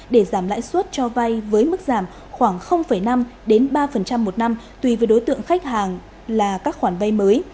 để giảm lãi suất cho vay với mức giảm khoảng năm ba một năm tùy với đối tượng khách hàng là các khoản vay mới